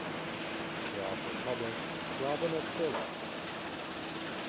They also published "Robin of Sherlock".